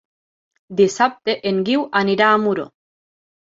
Dissabte en Guiu anirà a Muro.